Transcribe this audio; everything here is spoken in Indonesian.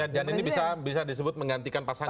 maksudnya dan ini bisa disebut menggantikan pasangan